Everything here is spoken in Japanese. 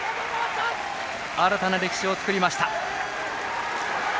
新たな歴史を作りました。